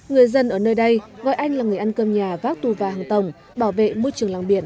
người dân ở nơi đây gọi anh là người ăn cơm nhà vác tu và hàng tổng bảo vệ môi trường làng biển